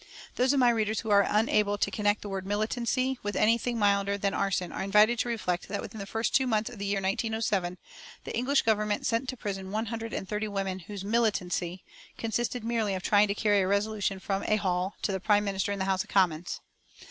Those of my readers who are unable to connect the word "militancy" with anything milder than arson are invited to reflect that within the first two months of the year 1907 the English Government sent to prison one hundred and thirty women whose "militancy" consisted merely of trying to carry a resolution from a hall to the Prime Minister in the House of Commons.